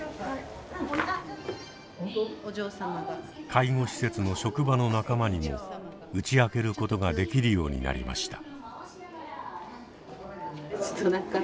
介護施設の職場の仲間にも打ち明けることができるようになりました。